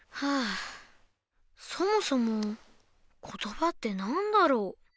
そもそも言葉って何だろう？